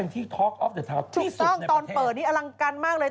ถูกต้องตอนเปิดนี้อลังการมากเลย